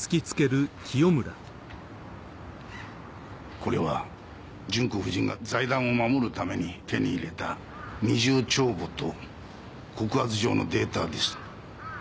これは純子夫人が財団を守るために手に入れた二重帳簿と告発状のデータです。